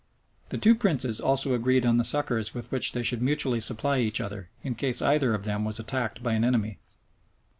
The two princes also agreed on the succors with which they should mutually supply each other, in case either of them was attacked by an enemy.